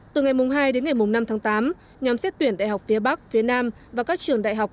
từ ngày hai đến ngày năm tháng tám nhóm xét tuyển đại học phía bắc phía nam và các trường đại học